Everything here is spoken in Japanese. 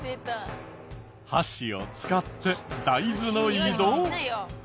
箸を使って大豆の移動。